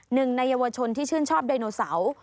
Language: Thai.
หนึ่งในเยาวชนที่ชื่นชอบไดโนเสาร์